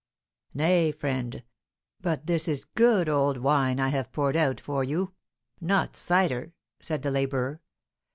"Nay, friend, but this is good old wine I have poured out for you; not cider," said the labourer.